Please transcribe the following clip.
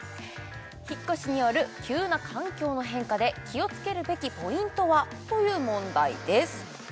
引っ越しによる急な環境の変化で気をつけるべきポイントはという問題です